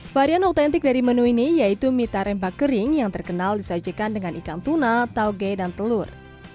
varian autentik dari menu ini yaitu mie tarempa kering yang terkenal disajikan dengan ikan tuna tauge dan telur